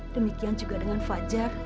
demikian juga dengan fajar